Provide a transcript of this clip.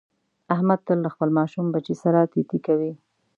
احمد تل له خپل ماشوم بچي سره تی تی کوي.